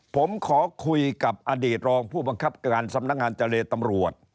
ผมขอคุยกับอดีตรองผู้บังคับการสำนักงานเจรตำรวจ